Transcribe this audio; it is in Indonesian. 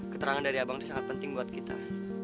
keterangan dari abang itu sangat penting buat kita